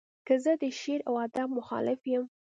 که زه د شعر و ادب مخالف یم.